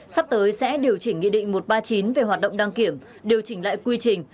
sắp tới sẽ điều chỉnh nghị định một trăm ba mươi chín về hoạt động đăng kiểm điều chỉnh lại quy trình